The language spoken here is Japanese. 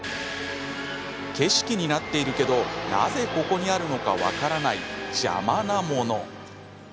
景色になっているけどなぜここにあるのか分からない邪魔なもの。